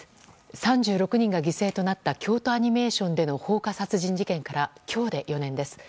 ３６人が犠牲となった京都アニメーションでの放火殺人事件から今日で４年です。